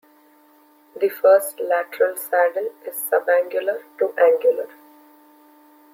The first lateral saddle is subangular to angular.